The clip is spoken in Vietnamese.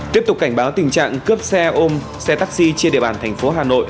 tiếp tục cảnh báo tình trạng cướp xe ôm xe taxi trên địa bàn thành phố hà nội